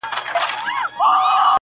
که طوطي چېري ګنجی لیدلی نه وای-